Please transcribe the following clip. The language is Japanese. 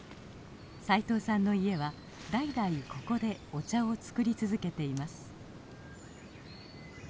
斉藤さんの家は代々ここでお茶を作り続けています。